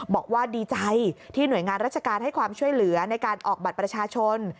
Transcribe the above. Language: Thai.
บอกว่าดีใจที่หน่วยงานราชการให้ความช่วยเหลือในการออกบัตรประชาชน